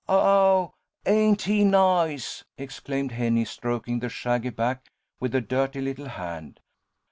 "Aw, ain't he nice!" exclaimed Henny, stroking the shaggy back with a dirty little hand.